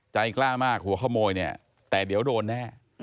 ใจกล้ามากหัวขโมยเนี่ยแต่เดี๋ยวโดนแน่